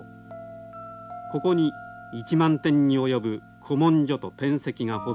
ここに１万点に及ぶ古文書と典籍が保存されてきました。